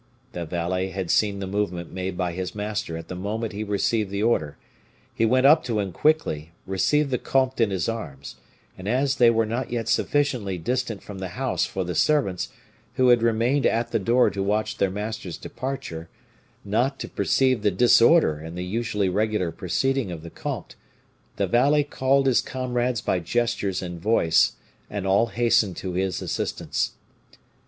The valet had seen the movement made by his master at the moment he received the order. He went up to him quickly, received the comte in his arms, and as they were not yet sufficiently distant from the house for the servants, who had remained at the door to watch their master's departure, not to perceive the disorder in the usually regular proceeding of the comte, the valet called his comrades by gestures and voice, and all hastened to his assistance.